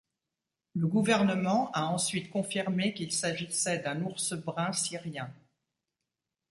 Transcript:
Le gouvernement a ensuite confirmé qu'il s'agissait d'un ours brun syrien.